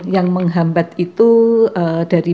yang menghambat itu dari